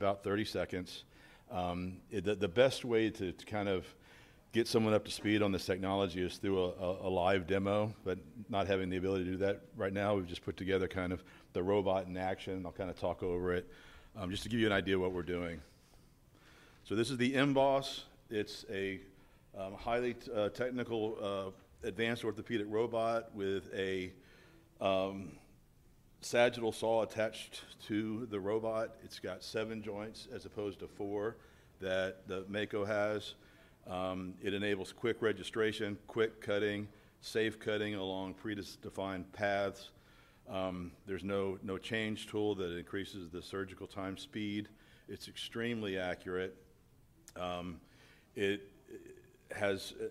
About 30 seconds. The best way to kind of get someone up to speed on this technology is through a live demo, but not having the ability to do that right now, we've just put together kind of the robot in action. I'll kind of talk over it, just to give you an idea of what we're doing. So this is the. It's a highly technical, advanced orthopedic robot with a sagittal saw attached to the robot. It's got seven joints as opposed to four that the Mako has. It enables quick registration, quick cutting, safe cutting along predefined paths. There's no change tool that increases the surgical time speed. It's extremely accurate. It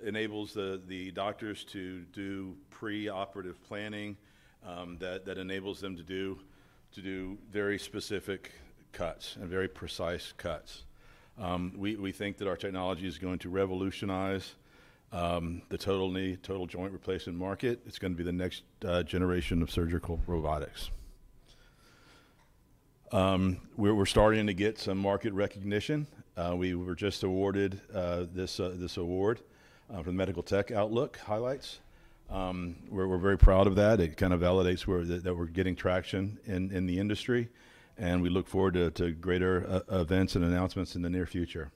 enables the doctors to do pre-operative planning that enables them to do very specific cuts and very precise cuts. We think that our technology is going to revolutionize the total knee, total joint replacement market. It's going to be the next generation of surgical robotics. We're starting to get some market recognition. We were just awarded this award for the Medical Tech Outlook Highlights. We're very proud of that. It kind of validates that we're getting traction in the industry, and we look forward to greater events and announcements in the near future.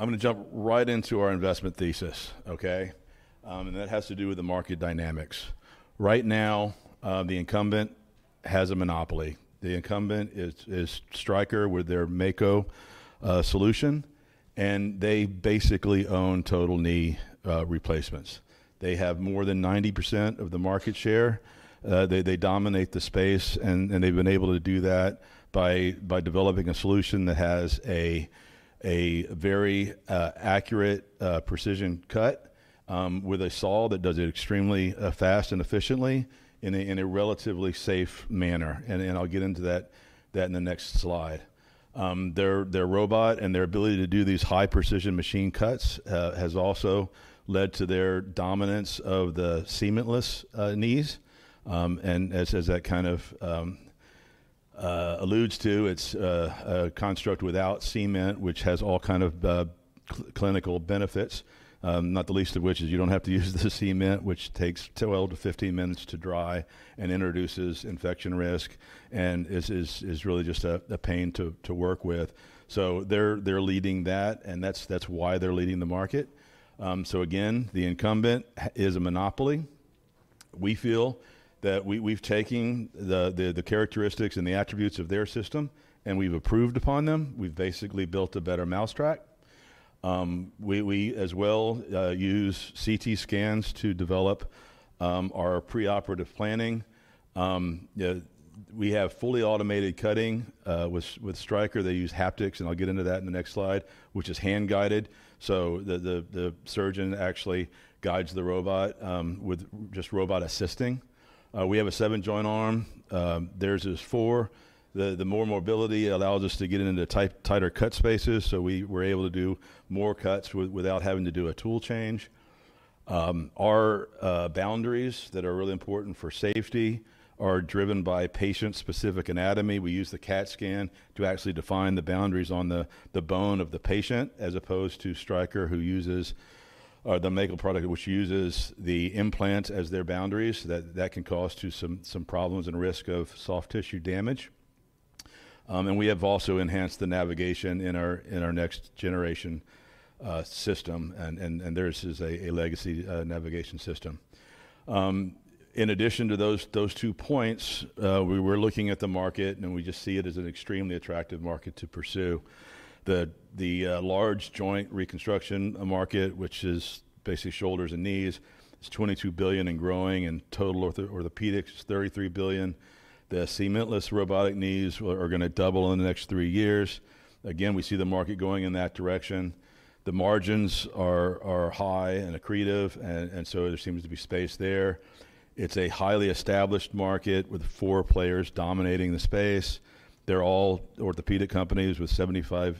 I'm going to jump right into our investment thesis, okay, and that has to do with the market dynamics. Right now, the incumbent has a monopoly. The incumbent is Stryker with their Mako solution, and they basically own total knee replacements. They have more than 90% of the market share. They dominate the space, and they've been able to do that by developing a solution that has a very accurate, precision cut with a saw that does it extremely fast and efficiently in a relatively safe manner. I'll get into that in the next slide. Their robot and their ability to do these high-precision machine cuts has also led to their dominance of the cementless knees. As that kind of alludes to, it's a construct without cement, which has all kinds of clinical benefits, not the least of which is you don't have to use the cement, which takes 12-15 minutes to dry and introduces infection risk and is really just a pain to work with. They're leading that, and that's why they're leading the market. Again, the incumbent is a monopoly. We feel that we've taken the characteristics and the attributes of their system, and we've improved upon them. We've basically built a better mousetrap. We, as well, use CT scans to develop our pre-operative planning. We have fully automated cutting with Stryker. They use haptics, and I'll get into that in the next slide, which is hand-guided. So the surgeon actually guides the robot with just robot assisting. We have a seven-joint arm. Theirs is four. The more mobility allows us to get into tighter cut spaces, so we're able to do more cuts without having to do a tool change. Our boundaries that are really important for safety are driven by patient-specific anatomy. We use the CT scan to actually define the boundaries on the bone of the patient as opposed to Stryker, who uses the Mako product, which uses the implant as their boundaries. That can cause some problems and risk of soft tissue damage. And we have also enhanced the navigation in our next-generation system, and theirs is a legacy navigation system. In addition to those two points, we're looking at the market, and we just see it as an extremely attractive market to pursue. The large joint reconstruction market, which is basically shoulders and knees, is $22 billion and growing, and total orthopedics is $33 billion. The cementless robotic knees are going to double in the next three years. Again, we see the market going in that direction. The margins are high and accretive, and so there seems to be space there. It's a highly established market with four players dominating the space. They're all orthopedic companies with 75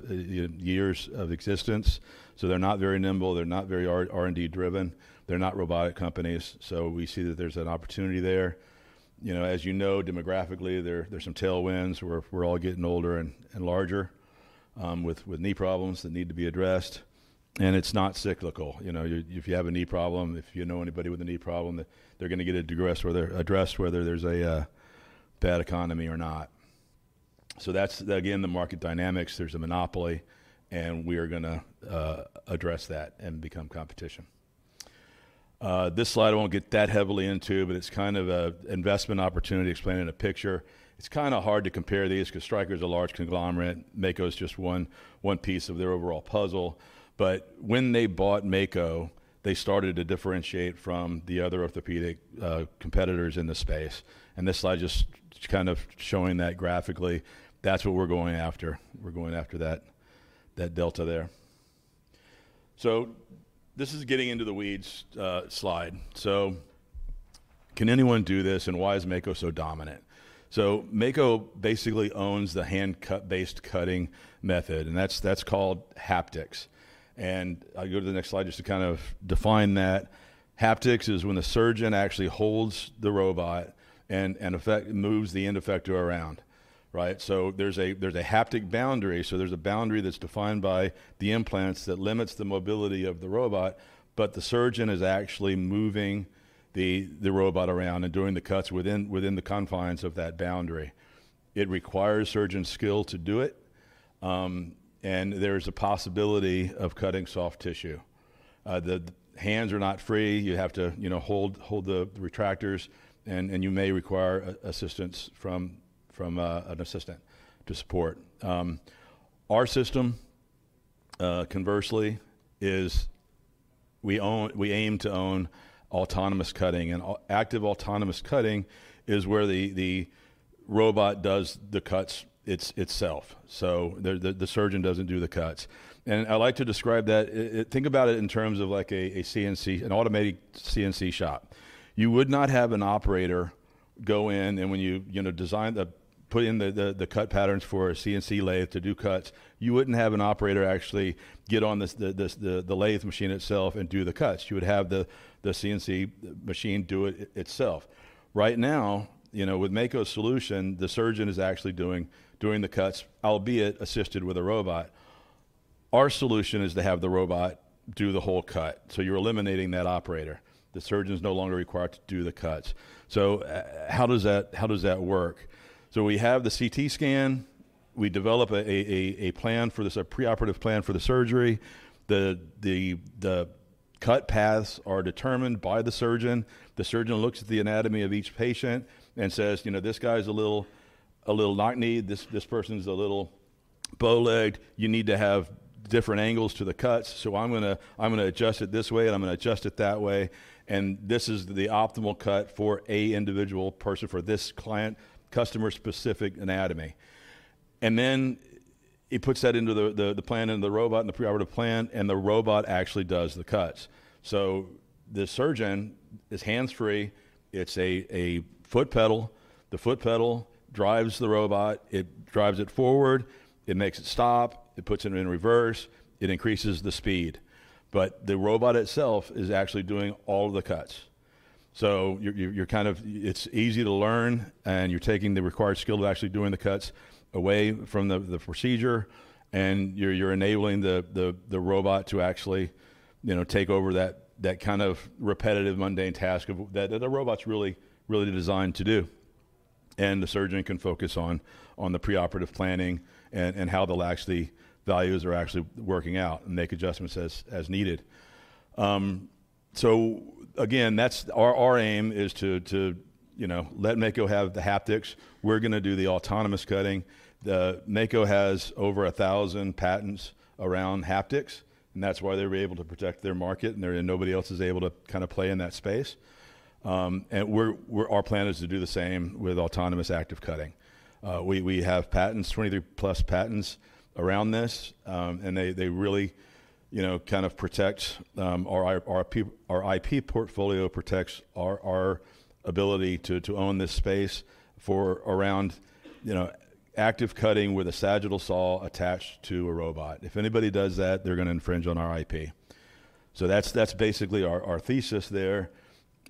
years of existence, so they're not very nimble. They're not very R&D-driven. They're not robotic companies. So we see that there's an opportunity there. You know, as you know, demographically, there's some tailwinds. We're all getting older and larger with knee problems that need to be addressed, and it's not cyclical. You know, if you have a knee problem, if you know anybody with a knee problem, they're going to get addressed whether there's a bad economy or not. So that's, again, the market dynamics. There's a monopoly, and we are going to address that and become competition. This slide I won't get that heavily into, but it's kind of an investment opportunity explained in a picture. It's kind of hard to compare these because Stryker is a large conglomerate. Mako is just one piece of their overall puzzle. But when they bought Mako, they started to differentiate from the other orthopedic competitors in the space. And this slide is just kind of showing that graphically. That's what we're going after. We're going after that delta there. So this is getting into the weeds slide. So can anyone do this, and why is Mako so dominant? So Mako basically owns the hand-based cutting method, and that's called haptics. And I'll go to the next slide just to kind of define that. Haptics is when the surgeon actually holds the robot and moves the end effector around, right? So there's a haptic boundary. So there's a boundary that's defined by the implants that limits the mobility of the robot, but the surgeon is actually moving the robot around and doing the cuts within the confines of that boundary. It requires surgeon skill to do it, and there's a possibility of cutting soft tissue. The hands are not free. You have to hold the retractors, and you may require assistance from an assistant to support. Our system, conversely, is we aim to own autonomous cutting, and active autonomous cutting is where the robot does the cuts itself. So the surgeon doesn't do the cuts. And I like to describe that. Think about it in terms of like an automated CNC shop. You would not have an operator go in, and when you design, put in the cut patterns for a CNC lathe to do cuts. You wouldn't have an operator actually get on the lathe machine itself and do the cuts. You would have the CNC machine do it itself. Right now, with Mako's solution, the surgeon is actually doing the cuts, albeit assisted with a robot. Our solution is to have the robot do the whole cut. So you're eliminating that operator. The surgeon is no longer required to do the cuts. So how does that work? So we have the CT scan. We develop a plan for this, a pre-operative plan for the surgery. The cut paths are determined by the surgeon. The surgeon looks at the anatomy of each patient and says, you know, this guy's a little knock-kneed. This person's a little bow-legged. You need to have different angles to the cuts. So I'm going to adjust it this way, and I'm going to adjust it that way. And this is the optimal cut for an individual person, for this client, customer-specific anatomy. And then he puts that into the plan, into the robot, in the pre-operative plan, and the robot actually does the cuts. So the surgeon is hands-free. It's a foot pedal. The foot pedal drives the robot. It drives it forward. It makes it stop. It puts it in reverse. It increases the speed. But the robot itself is actually doing all of the cuts. So you're kind of. It's easy to learn, and you're taking the required skill of actually doing the cuts away from the procedure, and you're enabling the robot to actually take over that kind of repetitive, mundane task that the robot's really designed to do, and the surgeon can focus on the pre-operative planning and how the laxity values are actually working out and make adjustments as needed, so again, our aim is to let Mako have the haptics. We're going to do the autonomous cutting. Mako has over 1,000 patents around haptics, and that's why they're able to protect their market, and nobody else is able to kind of play in that space, and our plan is to do the same with autonomous active cutting. We have patents, 23-plus patents around this, and they really kind of protect our IP portfolio, protects our ability to own this space for around active cutting with a sagittal saw attached to a robot. If anybody does that, they're going to infringe on our IP. So that's basically our thesis there.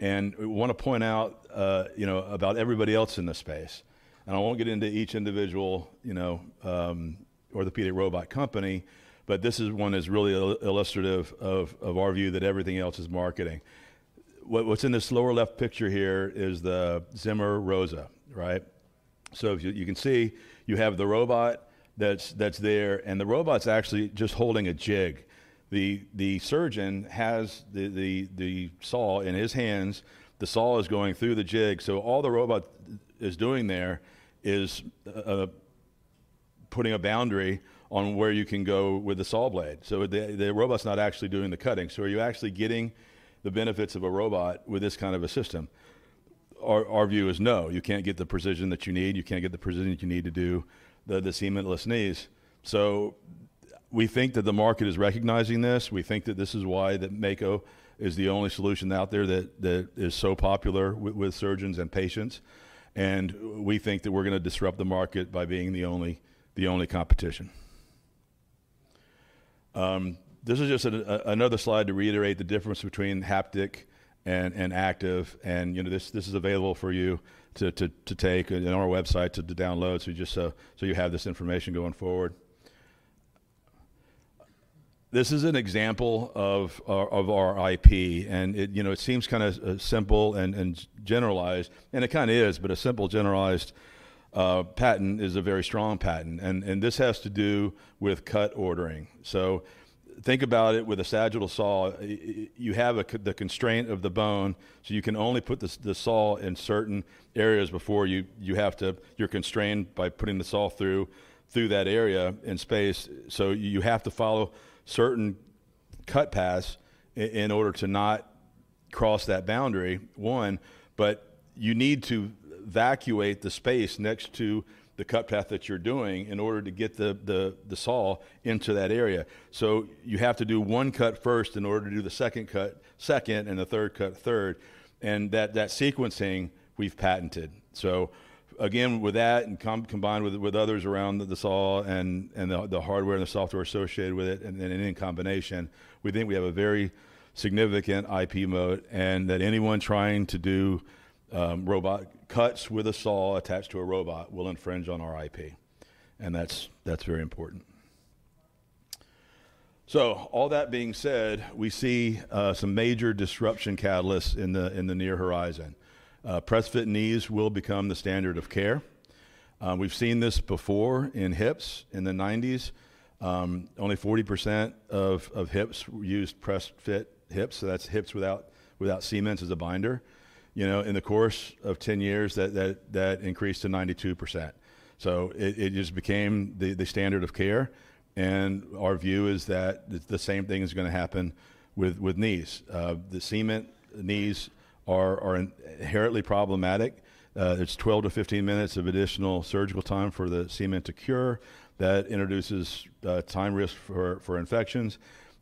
And I want to point out about everybody else in this space. And I won't get into each individual orthopedic robot company, but this one is really illustrative of our view that everything else is marketing. What's in this lower left picture here is the Zimmer ROSA, right? So you can see you have the robot that's there, and the robot's actually just holding a jig. The surgeon has the saw in his hands. The saw is going through the jig. All the robot is doing there is putting a boundary on where you can go with the saw blade. The robot's not actually doing the cutting. Are you actually getting the benefits of a robot with this kind of a system? Our view is no. You can't get the precision that you need. You can't get the precision that you need to do the cementless knees. We think that the market is recognizing this. We think that this is why Mako is the only solution out there that is so popular with surgeons and patients. We think that we're going to disrupt the market by being the only competition. This is just another slide to reiterate the difference between haptic and active. This is available for you to take on our website to download so you have this information going forward. This is an example of our IP, and it seems kind of simple and generalized, and it kind of is, but a simple generalized patent is a very strong patent, and this has to do with cut ordering, so think about it with a sagittal saw. You have the constraint of the bone, so you can only put the saw in certain areas before you have to, you're constrained by putting the saw through that area in space. So you have to follow certain cut paths in order to not cross that boundary, one, but you need to evacuate the space next to the cut path that you're doing in order to get the saw into that area. So you have to do one cut first in order to do the second cut second and the third cut third, and that sequencing, we've patented. So again, with that and combined with others around the saw and the hardware and the software associated with it and in combination, we think we have a very significant IP moat and that anyone trying to do robot cuts with a saw attached to a robot will infringe on our IP. And that's very important. We see some major disruption catalysts in the near horizon. Press-fit knees will become the standard of care. We've seen this before in hips in the 1990s. Only 40% of hips used press-fit hips. That's hips without cement as a binder. In the course of 10 years, that increased to 92%. It just became the standard of care. Our view is that the same thing is going to happen with knees. The cement knees are inherently problematic. It's 12 to 15 minutes of additional surgical time for the cement to cure. That introduces time risk for infections,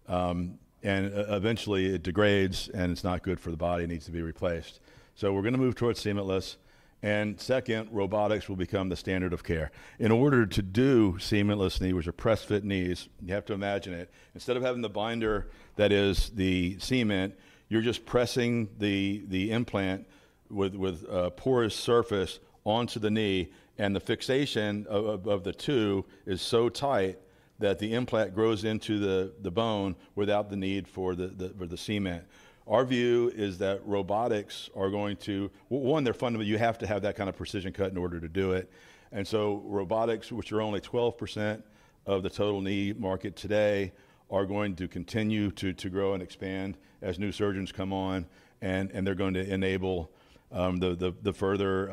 and eventually, it degrades and it's not good for the body. It needs to be replaced, so we're going to move towards cementless, and second, robotics will become the standard of care. In order to do cementless knee, which are press-fit knees, you have to imagine it. Instead of having the binder that is the cement, you're just pressing the implant with a porous surface onto the knee, and the fixation of the two is so tight that the implant grows into the bone without the need for the cement. Our view is that robotics are going to, one, they're fundamental. You have to have that kind of precision cut in order to do it. And so robotics, which are only 12% of the total knee market today, are going to continue to grow and expand as new surgeons come on. And they're going to enable the further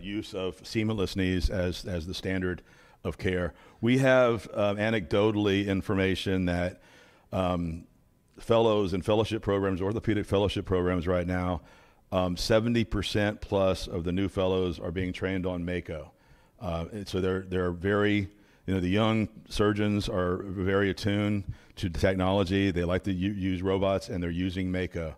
use of cementless knees as the standard of care. We have anecdotal information that fellows and fellowship programs, orthopedic fellowship programs right now, 70% plus of the new fellows are being trained on Mako. So they're very, you know, the young surgeons are very attuned to technology. They like to use robots, and they're using Mako.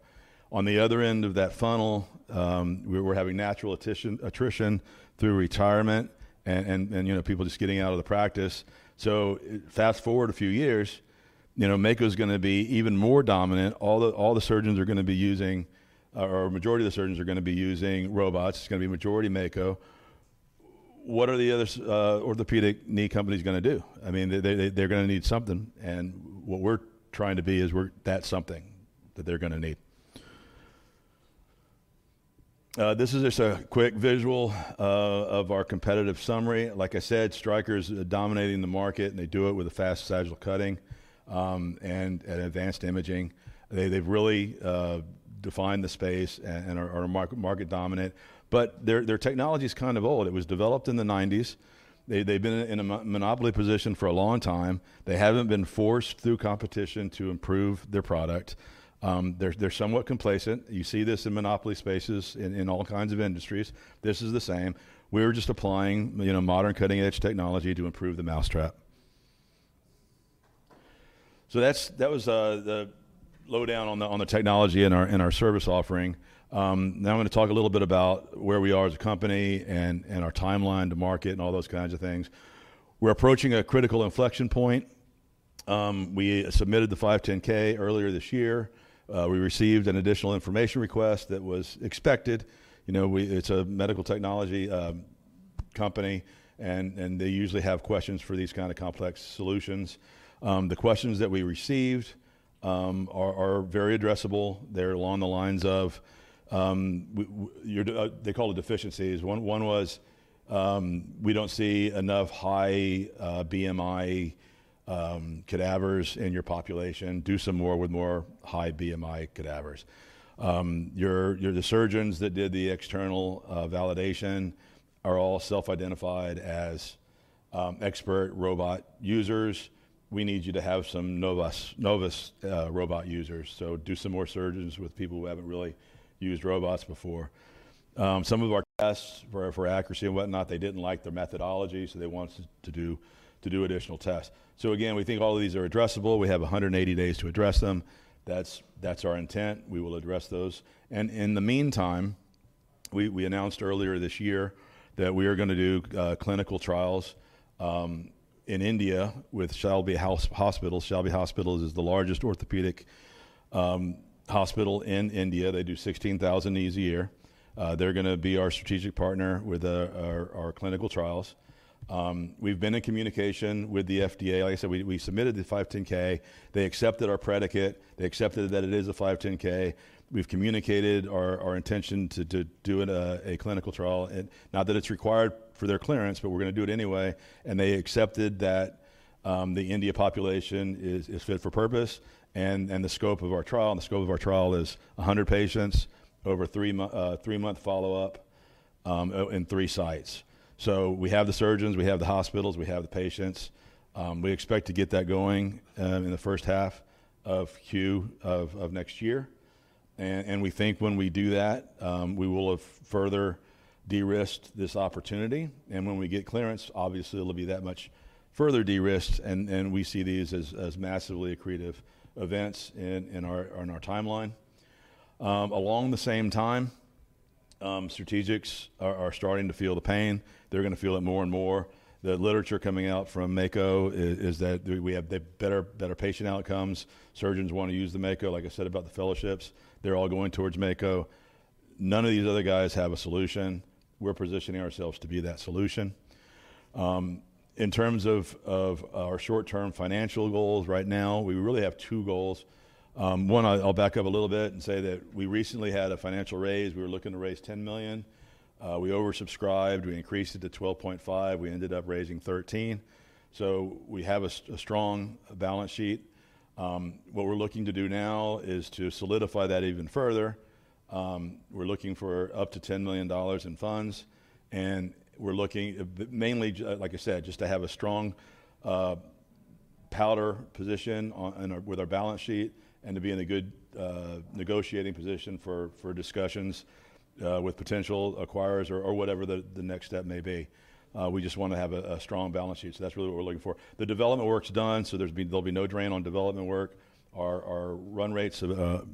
On the other end of that funnel, we're having natural attrition through retirement and people just getting out of the practice. So fast forward a few years, you know, Mako's going to be even more dominant. All the surgeons are going to be using, or a majority of the surgeons are going to be using robots. It's going to be majority Mako. What are the other orthopedic knee companies going to do? I mean, they're going to need something. And what we're trying to be is we're that something that they're going to need. This is just a quick visual of our competitive summary. Like I said, Stryker is dominating the market, and they do it with a fast sagittal cutting and advanced imaging. They've really defined the space and are market dominant. But their technology is kind of old. It was developed in the 1990s. They've been in a monopoly position for a long time. They haven't been forced through competition to improve their product. They're somewhat complacent. You see this in monopoly spaces in all kinds of industries. This is the same. We're just applying modern cutting-edge technology to improve the mousetrap. So that was the lowdown on the technology and our service offering. Now I'm going to talk a little bit about where we are as a company and our timeline to market and all those kinds of things. We're approaching a critical inflection point. We submitted the 510(k) earlier this year. We received an additional information request that was expected. It's a medical technology company, and they usually have questions for these kinds of complex solutions. The questions that we received are very addressable. They're along the lines of, they call it deficiencies. One was, we don't see enough high BMI cadavers in your population. Do some more with more high BMI cadavers. The surgeons that did the external validation are all self-identified as expert robot users. We need you to have some novice robot users. So do some more surgeons with people who haven't really used robots before. Some of our tests for accuracy and whatnot, they didn't like their methodology, so they wanted to do additional tests, so again, we think all of these are addressable. We have 180 days to address them. That's our intent. We will address those, and in the meantime, we announced earlier this year that we are going to do clinical trials in India with Shalby Hospitals. Shalby Hospitals is the largest orthopedic hospital in India. They do 16,000 knees a year. They're going to be our strategic partner with our clinical trials. We've been in communication with the FDA. Like I said, we submitted the 510(k). They accepted our predicate. They accepted that it is a 510(k). We've communicated our intention to do a clinical trial. Not that it's required for their clearance, but we're going to do it anyway. And they accepted that the India population is fit for purpose and the scope of our trial. And the scope of our trial is 100 patients over a three-month follow-up in three sites. So we have the surgeons. We have the hospitals. We have the patients. We expect to get that going in the first half of Q of next year. And we think when we do that, we will have further de-risked this opportunity. And when we get clearance, obviously, it'll be that much further de-risked. And we see these as massively accretive events in our timeline. Along the same time, strategics are starting to feel the pain. They're going to feel it more and more. The literature coming out from Mako is that we have better patient outcomes. Surgeons want to use the Mako. Like I said about the fellowships, they're all going towards Mako. None of these other guys have a solution. We're positioning ourselves to be that solution. In terms of our short-term financial goals right now, we really have two goals. One, I'll back up a little bit and say that we recently had a financial raise. We were looking to raise $10 million. We oversubscribed. We increased it to $12.5 million. We ended up raising $13 million. So we have a strong balance sheet. What we're looking to do now is to solidify that even further. We're looking for up to $10 million in funds, and we're looking mainly, like I said, just to have a strong powder position with our balance sheet and to be in a good negotiating position for discussions with potential acquirers or whatever the next step may be. We just want to have a strong balance sheet. So that's really what we're looking for. The development work's done, so there'll be no drain on development work. Our run rates, let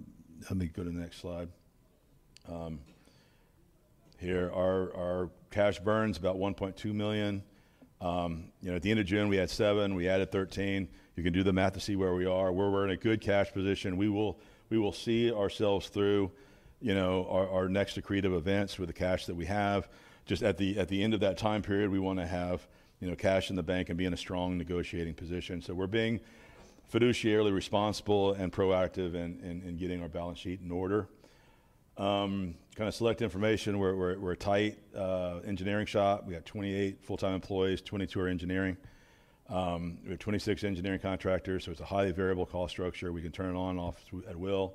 me go to the next slide. Here, our cash burn's about $1.2 million. At the end of June, we had $7. We added $13. You can do the math to see where we are. We're in a good cash position. We will see ourselves through our next accretive events with the cash that we have. Just at the end of that time period, we want to have cash in the bank and be in a strong negotiating position. So we're being fiduciarily responsible and proactive in getting our balance sheet in order. Kind of select information. We're a tight engineering shop. We have 28 full-time employees, 22 are engineering. We have 26 engineering contractors. So it's a highly variable cost structure. We can turn it on and off at will.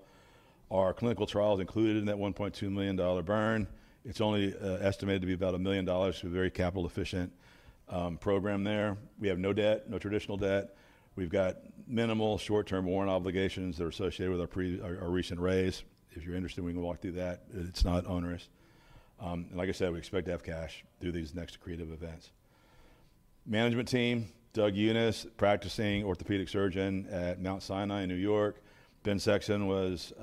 Our clinical trial is included in that $1.2 million burn. It's only estimated to be about $1 million. It's a very capital-efficient program there. We have no debt, no traditional debt. We've got minimal short-term warrant obligations that are associated with our recent raise. If you're interested, we can walk through that. It's not onerous. And like I said, we expect to have cash through these next accretive events. Management team, Doug Unis, practicing orthopedic surgeon at Mount Sinai in New York. Ben Sexson was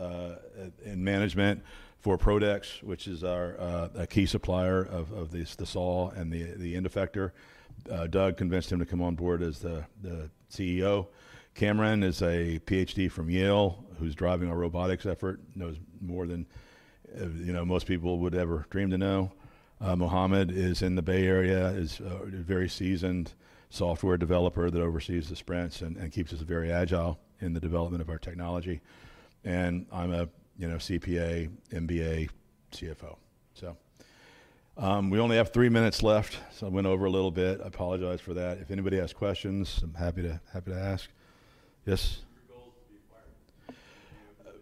in management for Pro-Dex, which is our key supplier of the saw and the end effector. Doug convinced him to come on board as the CEO. Cameron is a PhD from Yale who's driving our robotics effort, knows more than most people would ever dream to know. Mohammed is in the Bay Area, is a very seasoned software developer that oversees the sprints and keeps us very agile in the development of our technology, and I'm a CPA, MBA, CFO, so we only have three minutes left, so I went over a little bit. I apologize for that. If anybody has questions, I'm happy to ask. Yes? What are your goals to be acquired?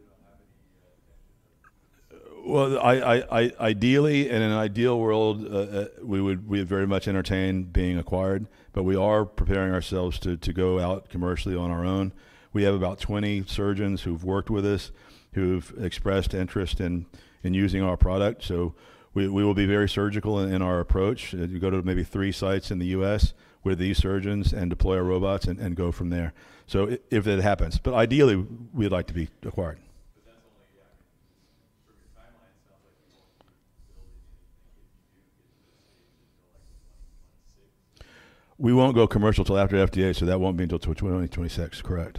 Do you have any intentions of being acquired? Well, ideally, in an ideal world, we would very much entertain being acquired, but we are preparing ourselves to go out commercially on our own. We have about 20 surgeons who've worked with us, who've expressed interest in using our product, so we will be very surgical in our approach. You go to maybe three sites in the U.S. with these surgeons and deploy our robots and go from there, so if it happens. But ideally, we'd like to be acquired. Because that's only, yeah, the short-term timeline sounds like you won't be able to build anything if you do get to those stages until like 2026. We won't go commercial until after FDA, so that won't be until 2026, correct.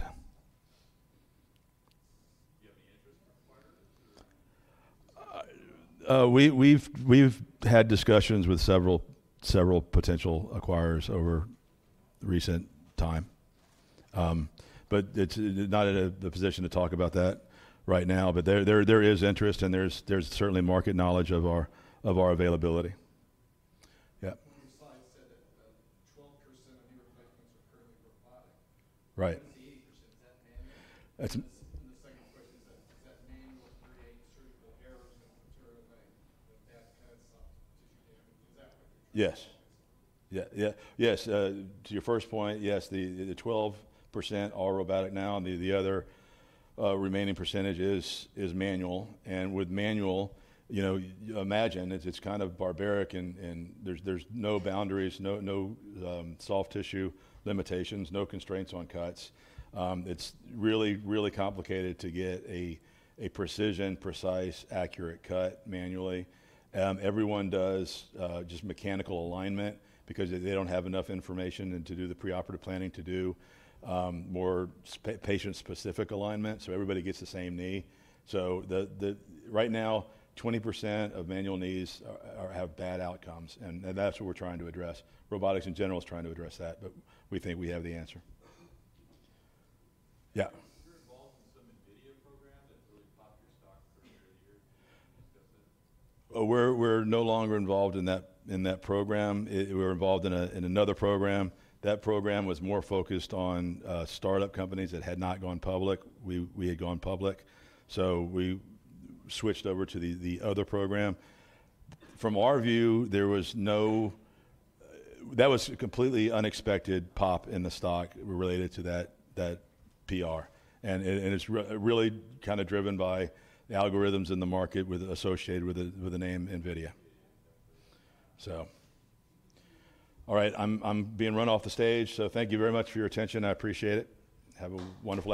Do you have any interest in acquiring? We've had discussions with several potential acquirers over recent time. But it's not in the position to talk about that right now. But there is interest, and there's certainly market knowledge of our availability. Yeah. One of your slides said that 12% of your equipment are currently robotic. Right. 78%, is that manual? That's the second question. Is that manual creating surgical errors in a material way? That kind of soft tissue damage. Is that what you're trying to focus on? Yes. Yes. To your first point, yes. The 12% are robotic now. The other remaining percentage is manual. And with manual, imagine it's kind of barbaric, and there's no boundaries, no soft tissue limitations, no constraints on cuts. It's really, really complicated to get a precision, precise, accurate cut manually. Everyone does just mechanical alignment because they don't have enough information to do the preoperative planning to do more patient-specific alignment. So everybody gets the same knee. So right now, 20% of manual knees have bad outcomes. And that's what we're trying to address. Robotics in general is trying to address that, but we think we have the answer. Yeah. Were you involved in some NVIDIA program that really popped your stock earlier this year? Did you discuss it? We're no longer involved in that program. We were involved in another program. That program was more focused on startup companies that had not gone public. We had gone public. So we switched over to the other program. From our view, there was no. That was a completely unexpected pop in the stock related to that PR. And it's really kind of driven by the algorithms in the market associated with the name NVIDIA. So, all right, I'm being run off the stage. So thank you very much for your attention. I appreciate it. Have a wonderful day.